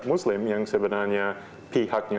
muslim yang sebenarnya pihaknya